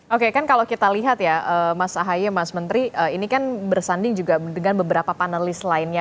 oke kan kalau kita lihat ya mas ahy mas menteri ini kan bersanding juga dengan beberapa panelis lainnya